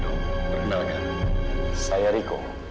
perkenalkan saya riko